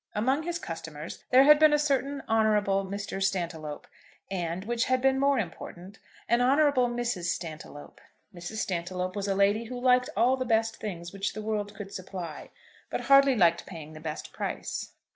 Among his customers there had been a certain Honourable Mr. Stantiloup, and, which had been more important, an Honourable Mrs. Stantiloup. Mrs. Stantiloup was a lady who liked all the best things which the world could supply, but hardly liked paying the best price.